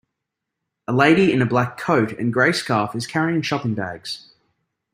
A lady in a black coat and a gray scarf is carrying shopping bags.